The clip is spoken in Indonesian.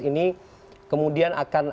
ini kemudian akan